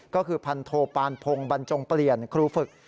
ก็คือพันโทปานพงศ์บรรจงเปลี่ยนครูฝึก